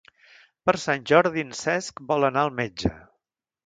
Per Sant Jordi en Cesc vol anar al metge.